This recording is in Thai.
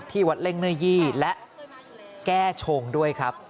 วัดเล่งเนื้อยี่และแก้ชงด้วยครับ